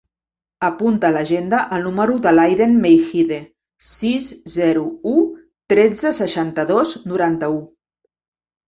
Apunta a l'agenda el número de l'Aiden Meijide: sis, zero, u, tretze, seixanta-dos, noranta-u.